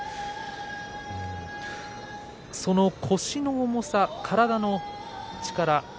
腰の重さ、体の力